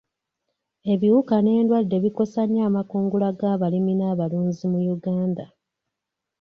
Ebiwuka n'endwadde bikosa nnyo amakungula g'abalimi n'abalunzi mu Uganda.